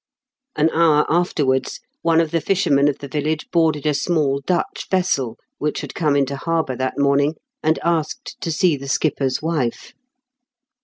An hour afterwards one of the fishermen THE KING' 8 PEE 88. 287 of the village boarded a small Dutch vessel, which had come into harbour that morning, and asked to see the skipper's wife.